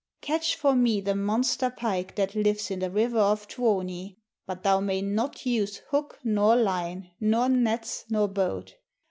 Catch for me the monster pike that lives in the river of Tuoni, but thou may not use hook, nor line, nor nets, nor boat.